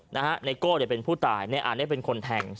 ไนะไอนขึ้นเป็นผู้ตายไนะไอนเป็นคนแทง